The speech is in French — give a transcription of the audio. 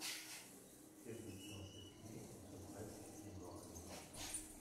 Quelle distance y a-t-il entre Brest et Morlaix ?